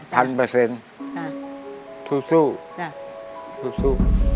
ทุกสู้ทุกสู้